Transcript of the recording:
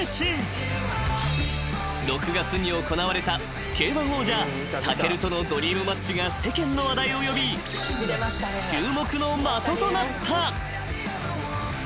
［６月に行われたＫ−１王者武尊とのドリームマッチが世間の話題を呼び注目の的となった］